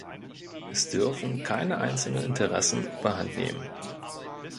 Es dürfen keine einzelnen Interessen überhandnehmen.